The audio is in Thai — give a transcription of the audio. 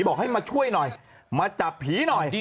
บอกให้มาช่วยหน่อยมาจับผีหน่อย